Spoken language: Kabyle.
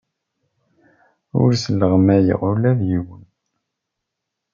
Ur sleɣmayeɣ ula d yiwen.